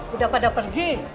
udah pada pergi